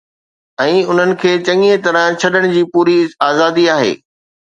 ۽ انھن کي چڱيءَ طرح ڇڏڻ جي پوري آزادي آھي